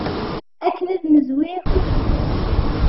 Akken ad nezwi akufir.